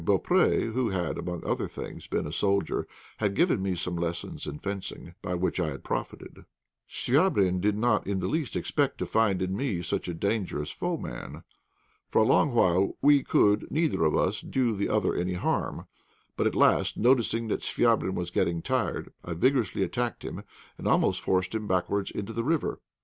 Beaupré, who had, among other things, been a soldier, had given me some lessons in fencing, by which I had profited. Chvabrine did not in the least expect to find in me such a dangerous foeman. For a long while we could neither of us do the other any harm, but at last, noticing that Chvabrine was getting tired, I vigorously attacked him, and almost forced him backwards into the river.